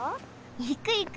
いくいく！